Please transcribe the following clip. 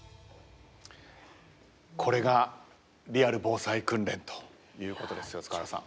これが「リアル防災訓練」ということですよ塚原さん。